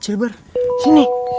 cil bar sini